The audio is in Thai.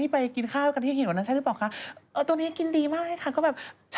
มีแต่ละคนหนึ่งเวลาสัมภาษณ์เสร็จ